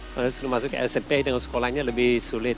kalau masuk smp dengan sekolahnya lebih sulit